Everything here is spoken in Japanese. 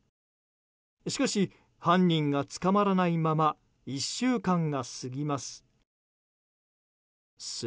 しかし犯人が捕まらないまま１週間が過ぎます。